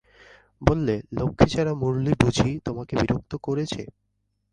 বললে, লক্ষ্মীছাড়া মুরলী বুঝি তোমাকে বিরক্ত করেছে?